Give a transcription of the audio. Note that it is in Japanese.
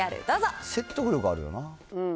説得力あるよな。